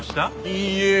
いいえ。